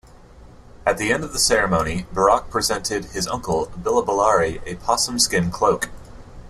At the end of the ceremony Barak presented his uncle, Billibellary, a possumskin cloak.